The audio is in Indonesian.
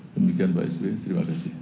demikian pak sb terima kasih